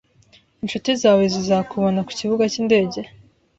Inshuti zawe zizakubona ku kibuga cyindege?